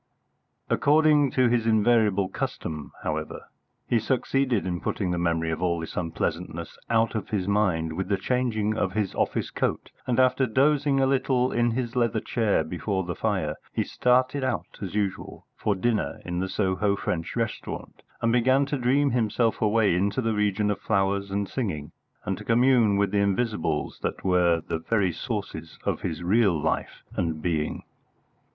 According to his invariable custom, however, he succeeded in putting the memory of all this unpleasantness out of his mind with the changing of his office coat, and after dozing a little in his leather chair before the fire, he started out as usual for dinner in the Soho French restaurant, and began to dream himself away into the region of flowers and singing, and to commune with the Invisibles that were the very sources of his real life and being.